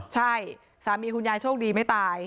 ใช่สามีคุณยายโชคดีไม่ตาย